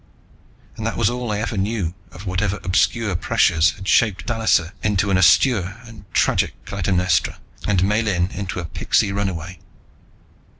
And that was all I ever knew of whatever obscure pressures had shaped Dallisa into an austere and tragic Clytemnestra, and Miellyn into a pixie runaway.